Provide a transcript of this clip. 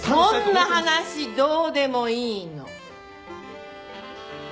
そんな話どうでもいいの。